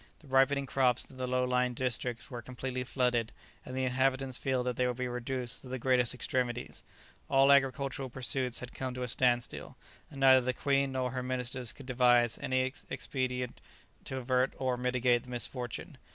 The ripening crops in the low lying districts were completely flooded, and the inhabitants feared that they would be reduced to the greatest extremities; all agricultural pursuits had come to a standstill, and neither the queen nor her ministers could devise any expedient to avert or mitigate the misfortune.